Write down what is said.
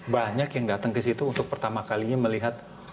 banyak yang datang ke situ untuk pertama kalinya melihat